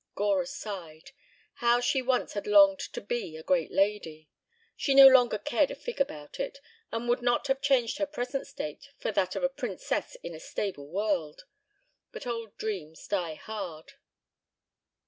Gora sighed. How she once had longed to be a great lady! She no longer cared a fig about it, and would not have changed her present state for that of a princess in a stable world. But old dreams die hard.